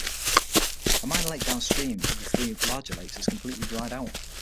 A minor lake downstream of the three larger lakes has completely dried out.